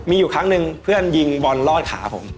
มีอยู่ครั้งหนึ่งเพื่อนยิงบอลลอดขาผม